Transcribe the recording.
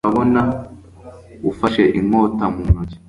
Urabona ufashe inkota mu ntoki